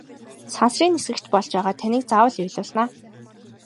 Сансрын нисэгч болж байгаад таныг заавал уйлуулна!